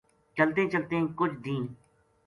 چلتیں چلتیں کجھ دیہنہ